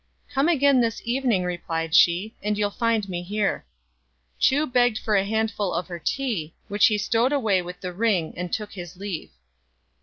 " Come again this evening," replied she, "and you'll find me here." Chu begged for a handful of her tea, which he stowed away with the ring, and took his leave.